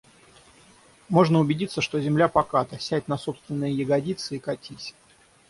Можно убедиться, что земля поката, — сядь на собственные ягодицы и катись!